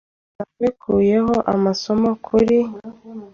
Nawekuye amasomo kuri .